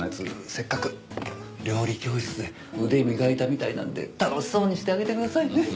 せっかく料理教室で腕磨いたみたいなんで楽しそうにしてあげてくださいね。